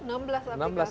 oh enam belas aplikasi